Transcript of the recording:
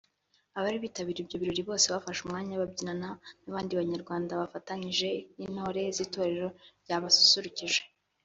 Abari bitabiriye ibyo birori bose bafashe uwo mwanya babyinana n’abandi banyarwanda bafatanyije n’intore z’itorero ryabasusurukije